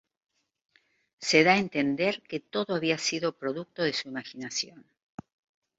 Se da a entender que todo había sido producto de su imaginación.